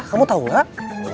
kamu tau gak